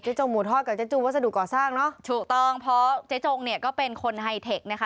เจ๊จงหมูทอดก็เป็นคนไฮเทค